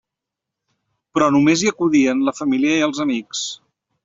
Però només hi acudien la família i els amics.